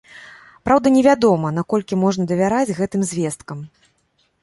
Праўда, невядома, наколькі можна давяраць гэтым звесткам.